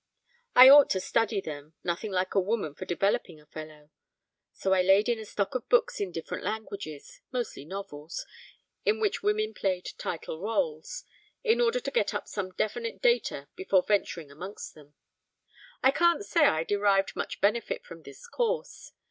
I ought to study them, nothing like a woman for developing a fellow. So I laid in a stock of books in different languages, mostly novels, in which women played title roles, in order to get up some definite data before venturing amongst them. I can't say I derived much benefit from this course.